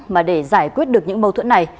mà để giải quyết được những mâu thuẫn này